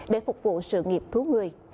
để phục vụ sự nghiệp thú người